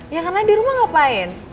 ya karena di rumah ngapain